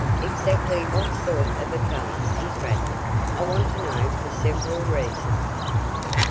Exactly what sort of a fellow is Radnor? I want to know for several reasons."